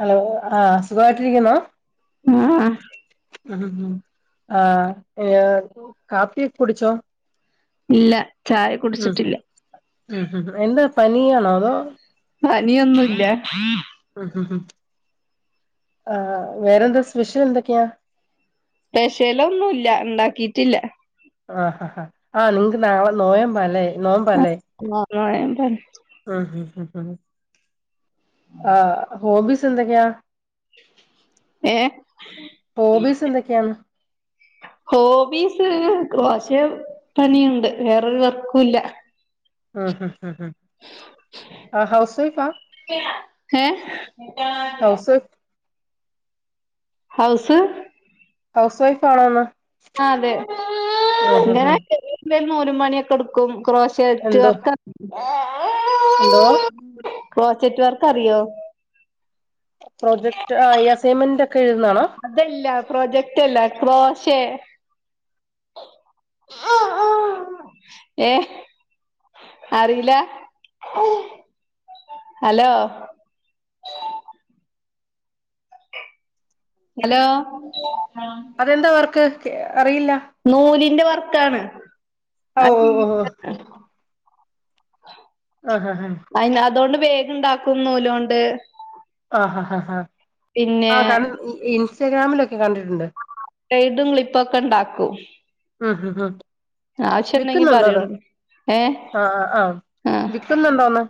Hello ആഹ സുഖമായിട്ടിരിക്കുന്നോ ആഹ് ഉ ആ കാപ്പി ഒക്കെ കുടിച്ചോ ഇല്ല ചായ മ്മ് കുടിച്ചിട്ടില്ല മ്മ്മ് എന്താ പനിയാണോ അതോ പനിയൊന്നുല്ല മ്മ് മ്മ് ആ വേറെന്താ സ്പഷ്യൽ എന്തൊക്കെയാ സ്പെഷ്യല് ഒന്നുമില്ല ഉണ്ടാക്കിട്ടില്ല ആ ആ ആ നിങ്ങക്ക് നാളെ നോയമ്പല്ലേ നോബ് മ്പലെ ആ ഹോബിസ് എന്തൊക്കെയാ ഏഹ് ഹോബിസ് എന്തൊക്കെയാണ് ഹോബീസ് കുറേശ്ശെ പണിയുണ്ട് വേറൊരു വർക്കൂല്ല മ്മ്മ് മ്മ് മ്മ് ആ ഹൗസ് വൈഫ് ആ ഏഹ് housewife house housewife ആണോന്ന് ആ അതെ ഉം ഉം ഇങ്ങനെ ഉം ചെറിയ [inaudible] പണിയൊക്കെ എടുക്കും കോഷ്യറ്റ് എന്തോ വർക്ക് എന്തോ ക്രോഷൃറ്റ് വർക്ക് അറിയോ പ്രോജക്റ്റ് ആ ഈ അസൈൻമെന്റ് ഒക്കെ എഴുതുന്നാണോ പ്രോജക്റ്റ് അല്ല ക്രോശേ ഏഹ് അറീല്ലാ? ഹലോ ഹലോ അതെന്താ വർക്ക് അറിയില്ല നൂലിന്റെ വർക്കാണ് ഓ ഓ ഓ [unintelligible] ആ ഹാ ഹ അതോണ്ട് ബാഗ് ഇണ്ടാക്കും നൂലൊണ്ട് ആ ഹാ ഹ ഹ പിന്നെ ആ കണ്ടി ഇൻസ്റ്റഗ്രാമിലൊക്കെ കണ്ടിട്ടുണ്ട് സ്ലൈഡും ക്ലിപ്പൊക്കെ ഇണ്ടാക്കും ആ ഹാ ഹ ആവശ്യണ്ടെങ്കി പറയോണ്ടു ആ ആ അ വിക്കുന്നുണ്ടോന്ന്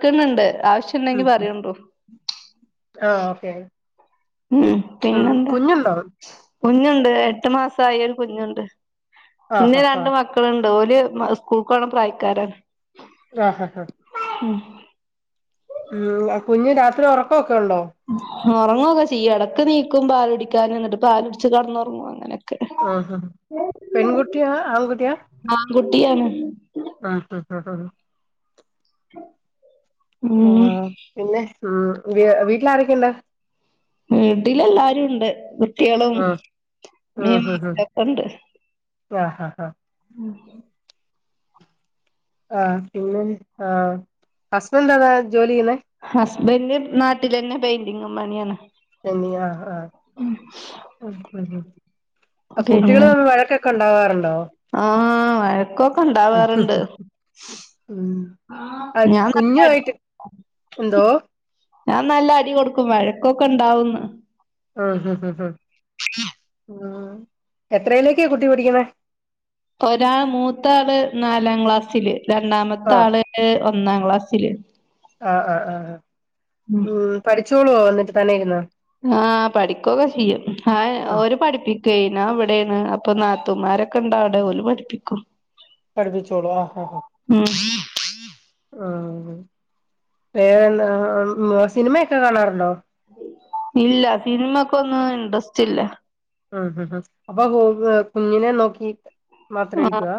ക്കുന്നുണ്ട് ആവശ്യ ഉണ്ടെങ്കി പറയോണ്ടു ആഹ് ഓക്കെ ഉം ഉം പിന്നെന്താ കുഞ്ഞുണ്ടോ കുഞ്ഞുണ്ട് എട്ട് മാസായി ഒരു കുഞ്ഞുണ്ട്. പിന്നെ ആഹ് ഹ രണ്ട് മക്കള് ണ്ട്. ഓല് സ്കൂൾക്കോണ പ്രായക്കാരാണ് ആ ഹാ ഹാ ഉം ഊം കുഞ്ഞ് രാത്രി ഉറക്കോ ഒറങ്ങുവൊക്കെ ചെയ്യും എടക്ക് നീക്കും പാലുടിക്കാൻ ഇന്നട്ട് പാലുടിച്ച് കെടന്ന് ഉറങ്ങും അങ്ങനെ ക്കെ. ആഹ് പെൺകുട്ടിയാ ആൺ കുട്ടിയാണ് ആ ഹാ ഹാ ഉം ആ പിന്നെ. ഉം വീ വീട്ടില് ആരൊക്കെണ്ട് വീട്ടിലെല്ലാരും ഉണ്ട്. കുട്ടിയേളും ആഹ് ഇമ്മിം [unintelligible] ക്കെണ്ട് ആഹാഹ ഉം ആ പിന്നെ ആ ഹസ്ബൻ്റന്താ ജോലി ചെയ്യുന്നെ ഹസ്ബൻഡ് നാട്ടിലന്നെ പെയിന്റിങും പണിയാണ് പെയ്ൻ്റിംഗ് ആഹാ ആ. അഹ് കുട്ടികൾ പിന്നെ വഴക്കൊക്കെ ഉണ്ടാവാറുണ്ടോ ആഹ് വഴക്കൊക്കെ ഉണ്ടാവാറുണ്ട് മ്മ് അതി ഞാൻ നല്ല അടി കുഞ്ഞുമായിട്ട് എന്തോ ഞാൻ നല്ല അടി കൊടുക്കും വഴക്കൊക്കെ ഇണ്ടാവും ന്ന് ആഹ് ഹഹഹ മ്മ് എത്രയിലേക്കാ കുട്ടി പഠിക്കണേ ഒരാള് മൂത്താള് നാലാം ക്ലാസ്സില് രണ്ടാമത്തെ ആഹ് ആള് ഒ ന്നാം ക്ലാസ്സില് ആഹ് ആഹ് ആഹ് ആഹ് ഉം മ്മ് പഠിച്ചോളുവോ എന്നിട്ട് തന്നെയിരുന്ന് ആഹ് പഠിക്കൊക്കെ ചെയ്യും ആഹ് ഉം ഓരു പഠിപ്പി ക്കെയ്യണെ. ഞാൻ ഇവിടെണ് അപ്പൊ നാത്തുമാരൊക്കെ ഉണ്ട് അവിടെ. അപ്പോ ഓല് പഠിപ്പിക്കും പഠിപ്പിച്ചോളും ആഹ് ഹ ഉം ആഹ് വേറെന്താ സിനിമയൊക്കെ കാണാറുണ്ടോ ഇല്ല സിനിമക്കൊന്നും ഇന്ട്രസ്റ്റ് ഇല്ല ഉം ഹ് ഹ് അപ്പൊ കു കുഞ്ഞിനേം നോക്കി മാത്രം ആഹ് ഇരിക്കുവാ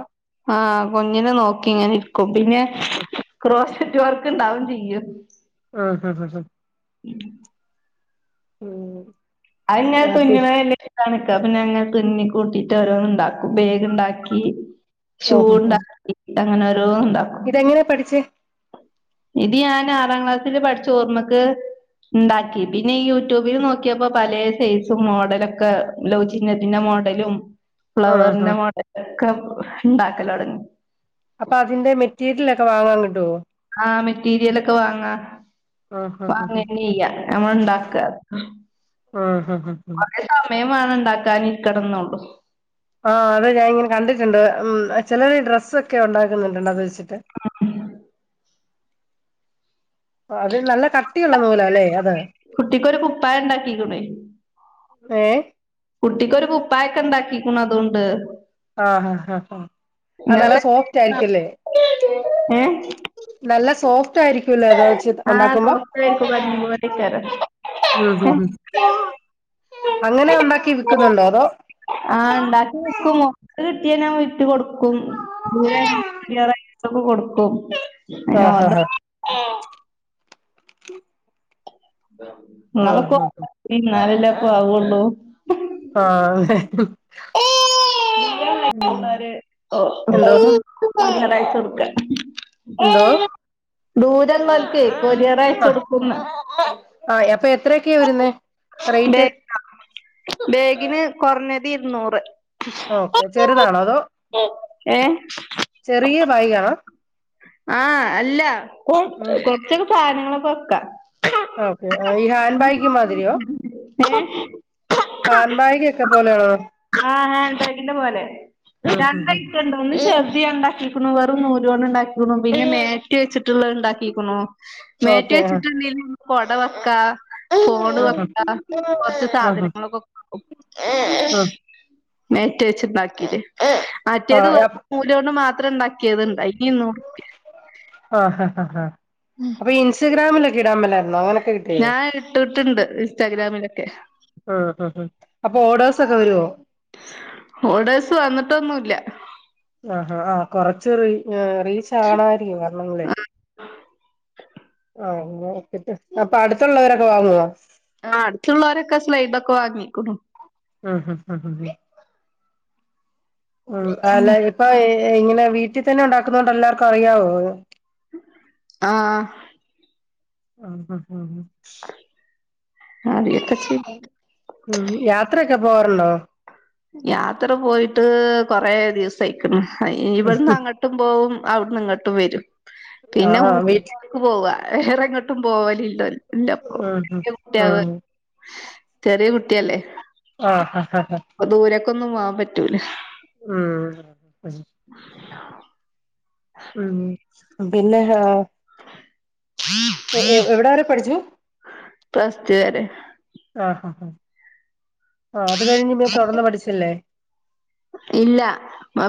ആഹ് കുഞ്ഞിനെ നോക്കി ഇങ്ങനെ ഇരിക്കും പിന്നെ ഉം ക്രോ നെറ്റ് വർക്ക് ഉണ്ടാവും ചെയ്യും ആഹ് ഹ് ഹ് ഹ് [unintelligible] മ്മ് അത് ഞാൻ തുന്നണ കണ്ടിട്ട് പിന്നെ ഇങ്ങനെ തുന്നി കൂട്ടിട്ട് ഓരോന്ന് ഉണ്ടാക്കും ബേഗ് ഉണ്ടാക്കി ഷൂണ്ടാക്കി അങ്ങനെ ഓരോ ഇതെങ്ങനാ പഠിച്ചേ ഇത് ഞാൻ ആറാം ക്ലാസ്സില് പഠിച്ച ഓർമ്മക്ക് ഇണ്ടാക്കി പിന്നെ യൂട്യൂബിൽ നോക്കിയപ്പോ പലേ സൈസും മോഡലൊക്കെ ലൗ ചിഹ്നത്തിന്റെ മോഡലും ആഹ് ഫ്ലവറിന്റെ ആഹ് മോഡലും ഒക്കെ ഉണ്ടാക്കല് തുടങ്ങി അപ്പൊ അതിന്റെ മെറ്റീരിയല് ഒക്കെ വാങ്ങാൻ കിട്ടുവോ ആഹ് മെറ്റീരിയലൊക്കെ വാങ്ങ ആഹ് ഹ ഹ വാങ്ങു ഹ തന്നെ ചെയ്യ നമ്മൾ ഇണ്ടാക്കുവാ ആഹ് ഹ ഹ ഹ കുറേ സമയം വേണം ഉണ്ടാക്കാൻ ഇരിക്കണംന്നുള്ളു ആഹ് അത് ഞാൻ ഇങ്ങനെ കണ്ടിട്ടുണ്ട് മ്മ് ചിലർ ഡ്രസ്സൊക്കെ ഉണ്ടാക്കുന്നുണ്ട് അത് വച്ചിട്ട് [unintelligible] അത് നല്ല കട്ടിയുള്ള നൂലാല്ലേ അത് കുട്ടിക്കൊരു കുപ്പായ ഇണ്ടാക്കിക്ക്ണേ ഏഹ് കുട്ടിക്കൊരു കുപ്പായൊക്കെ ഉണ്ടാക്കിക്കണ് അതുകൊണ്ട് ആഹ് ആഹ് ആഹ് ആഹ് ആ നല്ല സോഫ്റ്റ് ആയിരിക്കുംല്ലേ ഏഹ് നല്ല സോഫ്റ്റ് ആയിരിക്കുല്ലേ അത് വെച്ച് ആഹ് ഉണ്ടാക്കുമ്പോ സോഫ്‌ട് ആയിരിക്കും ഉം ഹും ഹും അങ്ങനെ ഉണ്ടാക്കി വിക്കുന്നുണ്ടോ അതോ ആഹ് ഉണ്ടാക്കി വെക്കും വിട്ട് കൊടുക്കും ദൂറൊക്കെ കൊടുക്കും അയിന് ആഹ് ഓർഡർ ഹാ ഹാ നിങ്ങളൊക്കന്നാലല്ലക്ക ആവുള്ളൂ ആഹ് [unintelligible] ഉം എന്തോ അയച്ച് കൊടുക്കാ എന്തോ ദൂരങ്ങൾക്ക് കൊറിയറ് അയച്ച് കൊടുക്കുന്ന് എത്രയൊക്കെയ വരുന്ന റേറ്റ് ബേ ബേഗിന് കുറഞ്ഞത് ഇരുന്നൂറ് ഓക്കെ ചെറുതാണോ അതോ ഏ ചെറിയ പൈഗാ ആഹ അല്ല ഇപ്പൊ കൊറച്ചൊക്കെ സാധനങ്ങളൊക്കെ വെക്കാ ക്കെ ഈ ഹാൻഡ് ബാഗ മാതിരിയോ ഏഹ് ഹാന്ബാഗ് ഒക്കെ പോലെയാണോ ണ്ടതിന്റെ പോലെ ഉം ഉം ഉം രണ്ടായിട്ടോ ഒന്ന് ഷെബിണ്ടാക്കി വെറും നൂല് കൊണ്ട്ണ്ടാക്കി പിന്നെ മേറ്റ് വെച്ചിട്ടുള്ള ഉണ്ടാക്കിക്‌ണോ മേറ്റ് ഓക്കെ ആ വെച്ചിട്ട്ണ്ടെ കൊട വക്ക ഫോണ് ആ വെക്ക ആ കൊറച്ച് സാധനങ്ങളൊക്കെ മേറ്റ വെച്ചണ്ടാക്കിട്ട് ആ ആ ആ ആ മറ്റേത് വെർ നൂലോണ്ട് മാത്രം ഉണ്ടാക്കിയത്ണ്ട യിന്നു ആഹ ഹ ഹ ഹാ അപ്പൊ ഇൻസ്റ്റഗ്രാമിലൊക്കെ ഇടാൻ പല അങ്ങനൊക്കെ കിട്ടിയേ ണ്ട് ഇൻസ്റ്റാഗ്രാമിലൊക്കെ ആ ഹ അപ്പൊ ഓഡേഴ്സ് ഒക്കെ വരുവോ തൊന്നുല്ല ആ ആ കൊറച്ചറി എ അയില് ഷാണായിരിക്കും കണംല്ലേ ആ ട്ട് അപ്പൊ അടുത്തുള്ളവരൊക്കെ വാങ്ങോ ആ അടുത്തുള്ളവരൊക്കെ സ്ലൈഡൊക്കെ വാങ്ങിക്ക്ണു ആ ഹ ഹ ഉ അല്ല ഉം ഇപ്പൊ ഇങ്ങനെ വീട്ടിൽ തന്നെ ഉണ്ടാക്കുന്ന കൊണ്ട് എല്ലാർക്കും അറിയാവോ ആ ആ ആ ആഹ് അറിയൊക്കെ ചെയ്യും ഉം യാത്രയോ ക്ക പോവാറുണ്ടോ യാത്ര പോയിട്ട് കൊറെ ദിവസായിരിക്ക്ണ് ഉം ഇവിടുന്ന് അങ്ങോട്ടും പോവും അവിട്ന്ന് ഇങ്ങട്ടും വരും പിന്നെ ആഹ് ആഹ് വീട്ടി ട്ടിക്ക് പോവ വേറെങ്ങോട്ടും പോവലില്ല ഇല്ലപ്പൊ ഉം ഉം കുട്ടിയാവ് ഉം ചെറിയ കുട്ടിയല്ലേ ആ ഹ ഹ അപ്പൊ ദൂരക്കൊന്നും പോവാൻ പറ്റൂല ഉം ഉം പിന്നെ ആ എവിടെ വരെ പഠിച്ചു പ്ലസ് ടു വരെ. ആ ആ അത് കഴിഞ്ഞ് പിന്ന് തുറന്ന് പഠിച്ചല്ലേ [unintelligible] ഇല്ല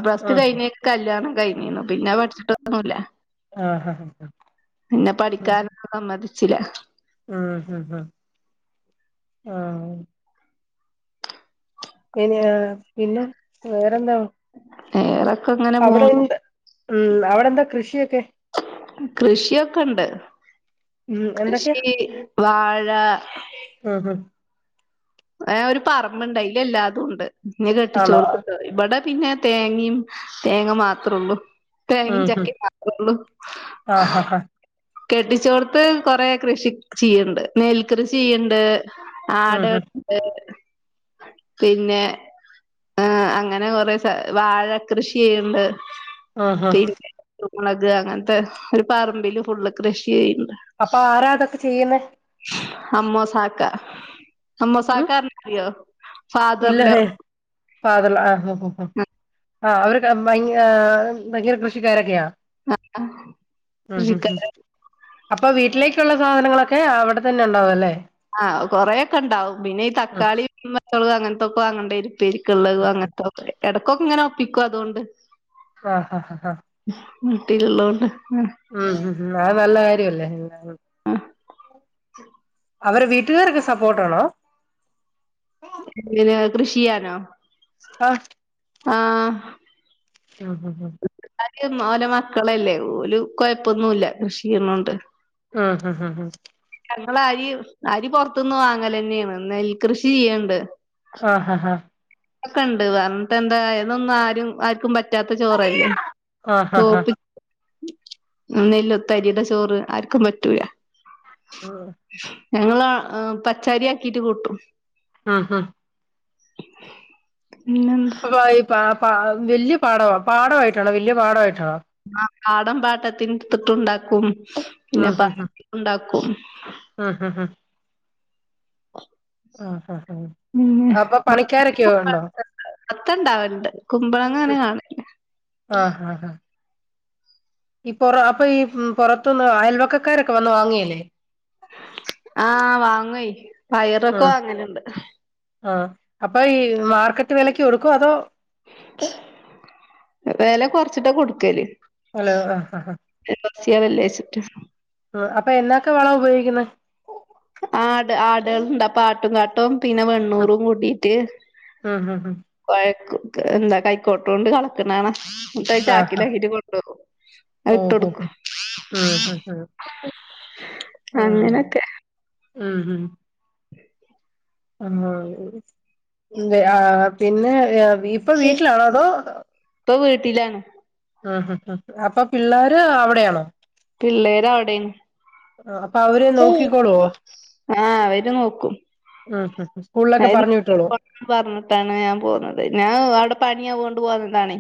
പ്ലസ്ടു ആഹ് കഴഞ്ഞീ കല്ല്യാണം കഴിഞ്ഞീന്ന് പിന്നെ പഠിച്ചിട്ട് ഒന്നൂല്ല ആഹ് ഹ ഹ പിന്നെ ഹ പഠിക്കാനൊന്നും സമ്മതിച്ചില്ല ഉം ഹ ഹ ആ ഇനി പിന്നെ വേറെന്ത വേറെ അവിടെ എന്താ ഉം അവിടെ എന്താ കൃഷിയൊക്കെ കൃഷിയൊക്കെ ഇണ്ട് ഉം എന്തൊക്കെയാ കൃഷി വാഴ ഉം ഹ് ഒരു പറമ്പിണ്ട് അയിലെല്ലാതുംണ്ട് ഇന്നെ ആണോ കെട്ടിച്ചോടുത്ത് ഇവിടെ പിന്നെ തേങ്ങയും തേങ്ങ മാത്രേള്ളൂ തേങ്ങ ഉം ഹ് ചക്കേം മാത്രേള്ളൂ ആഹ് ഹ ഹ കെട്ടിച്ചോടുത്ത് കൊറെ കൃഷി ചെയ്യ്ണ്ട് നെൽക്കൃഷി ചെയ്യ്ണ്ട് ഉം ഹ് ആടുണ്ട് പിന്നെ ആ അങ്ങനെ കൊറെ വാഴ കൃഷി ചെയ്യ്ണ്ട് ആ ആ മുളക് അങ്ങനത്തെ ഒരു പറമ്പില് ഫുൾ കൃഷി ഷിയെ അപ്പൊ ആരാ അതൊക്കെ ചെയ്യുന്നേ അമ്മോസാക്ക അമ്മുസാക്ക് ഉം ഇല്ല ഹേ പാതല ആ ആ അവര് കട വാങ്ങിയാ ഭയങ്കര കൃഷിക്കാരൊക്കെയാ ആ [unintelligible] ഉം ഉം ഉം അപ്പൊ വീട്ടിലേക്കുള്ള സാധനങ്ങളൊക്കെ അവിടെ തന്നെ ഉണ്ടാവും അല്ലേ ആ കൊറെക്കെ ഉണ്ടാവും പിന്നെ ഈ ഉം തക്കാളി പച്ചമുളക് അങ്ങനത്തൊക്കെ വാങ്ങേണ്ടേ വരും ഉപ്പേരിക്കുള്ളത് ഉം അങ്ങനത്തെക്കെ ഇടക്കൊക്കെ ഇങ്ങനെ ഒപ്പിക്കും അതുകൊണ്ട് ആ ഹഹ ട്ടി ള്ളോണ്ട് ഉം ഉം അത് നല്ല കാര്യല്ലേ അവരെ വീട്ടുകാര് ഓക്കേ സപ്പോർട്ട് ആണോ ങ്ങനെ കൃഷിയ്യാനോ ആ ആ ഉം [unintelligible] ഓലെ മക്കളല്ലേ ഒരു കൊഴപ്പൊന്നുല്ല കൃഷി ചെയ്യുന്നുണ്ട് ആ ആ ഞങ്ങൾ അരി അരി പൊർത്ത്ന്ന് വാങ്ങലെന്നേണ് നെൽ കൃഷി ചെയ്യ്ണ്ട് ആ ഹ ഹ ക്കെണ്ട് പറഞ്ഞിട്ടെന്താ കാര്യം ഇതൊന്നും ആരും ആർക്കും പറ്റാ [unintelligible] ചോറല്ലേ ആഹ് ഹ ഹ [unintelligible] നെല്ലുത്തരിടെ ചോറ് ആർക്കും പറ്റൂല ഉം ആ പച്ചാരിയാക്കിട്ട് കൂട്ടും ആ ആ പിന്നെന്താ [unintelligible] വെല്യ പാടാ പാടായിട്ട് വെല്യ പാടായിട്ട് ആ പാടം പാട്ടത്തിന്ട്ത്തുംണ്ടാക്കും പിന്നെ [inaudible] ണ്ടാക്കും ആ ഹ ഹ ആ ഹ ഹ പിന്നെ അപ്പൊ പണിക്കാരൊക്കെയൊണ്ടോ മത്ത ഉണ്ടാവലുണ്ട് കുമ്പളങ്ങ അങ്ങനെ കാണും ആ ആ ഈ പൊറ അപ്പൊ ഈ പൊറത്ത്ന്ന് അയൽവക്കക്കാരൊക്കെ വന്ന് വാങ്ങേല്ലേ ആ വാങ്ങുവേ പയറൊക്കെ വാങ്ങല്ണ്ട് ആ അപ്പൊ ഈ മാർക്കറ്റ് വെലക്ക് കൊടുക്കോ അതോ [inaudible] വെല കൊർച്ചിട്ട കൊടുക്കല് അലോ ആഹ് [unintelligible] ഉം അപ്പൊ എന്നൊക്കെ വളം ഉപയോഗിക്കുന്നേ ആട് ആടാള്ണ്ട് അപ്പൊ ആട്ടും കാട്ടോ പിന്നെ ഉം വെണ്ണൂറും കൂട്ടിട്ട് ഉം ഉം ഉം കൊയക്കും എന്താ കൈക്കോട്ടോണ്ട് കെളക്ക്ണെ കാണ ന്ന്ട്ട് അത് ആഹ് ആഹ് ചാക്കിലാക്കിട്ട് കൊണ്ടോവും അത് ഓഹോ ഇട്ടൊടുക്കും ഉം ഉം ഉം അങ്ങനൊക്കെ മ്മ് ആ ആ പിന്നെ ഇപ്പൊ വീട്ടിലാണോ അതോ ട്ടിലാണ് ആ അ അപ്പൊ പിള്ളോര് അവിടെയാണോ പിള്ളേര് അവിടെണ് അപ്പൊ അവര് നോക്കിക്കോളുവോ ആ അവര് നോക്കും ഉം ഉം സ്കൂളിലൊക്കെ പറഞ്ഞു വിട്ടോളോ [unintelligible] പറഞ്ഞിട്ടാണ് ഞാൻ പോന്നത് ഞാൻ അവിടെ പണിയ [unintelligible] പോന്നതാണെ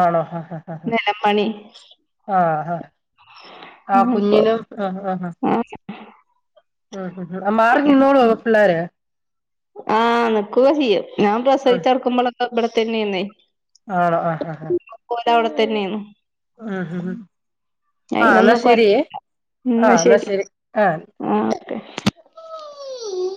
ആണോ ആ ഹ ആ ഹ ഹഹ ആ അപ്പൊ കുഞ്ഞിനും ആ ആ ആ ഉം മ്മാറി നിന്നോ ളോ പിള്ളേര് ആ നിക്കൊക്കെ ചെയ്യും ഞാൻ ആഹ് പ്രസവിച്ച് കെടക്കുമ്പൊളൊക്കെ ഇവിടെത്തന്നെയ്ന്നേ ആണോ ആ ഹ ഹ ലെ അവടെത്തെന്നെയ്ന്നു ആ ഹ ഹ ആ ന്നാ അയിനൊന്നും കൊഴ ശെരി ആ എന്നാ ന്നാ ശരി ശെരി ആ ആ ഓക്കെ [inaudible]